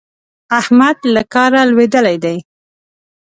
احمد له کاره لوېدلی دی.